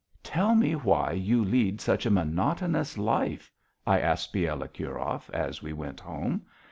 "Tell me why you lead such a monotonous life," I asked Bielokurov, as we went home.